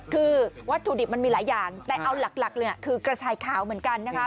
คือวัตถุดิบมันมีหลายอย่างแต่เอาหลักเลยคือกระชายขาวเหมือนกันนะคะ